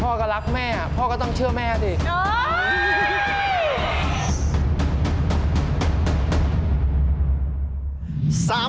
พ่อก็รักแม่พ่อก็ต้องเชื่อแม่สิ